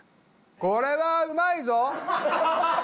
これはうまいぞ！